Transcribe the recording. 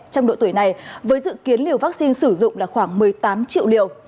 trong độ tuổi này với dự kiến liều vaccine sử dụng là khoảng một mươi tám triệu liều